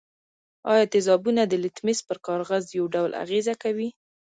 آیا تیزابونه د لتمس پر کاغذ یو ډول اغیزه کوي؟